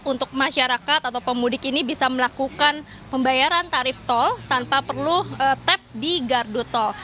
untuk masyarakat atau pemudik ini bisa melakukan pembayaran tarif tol tanpa perlu tap di gardu tol